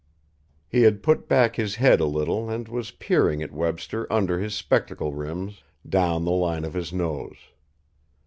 He had put back his head a little and was peering at Webster under his spectacle rims, down the line of his nose.